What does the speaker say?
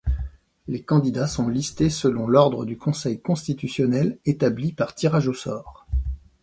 Les candidats sont listés selon l'ordre du Conseil constitutionnel établi par tirage au sort.